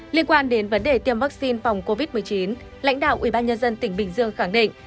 liên quan đến vấn đề tiêm vaccine phòng covid một mươi chín lãnh đạo ubnd tỉnh bình dương khẳng định